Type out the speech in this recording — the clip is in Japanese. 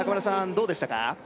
どうでしたか？